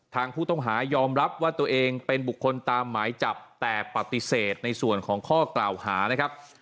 ทางผู้ต้องหายอมรับว่าตัวเองเป็นบุคคลตามหมายจับแต่ปฏิเสธในส่วนของข้อกล่าวหานะครับ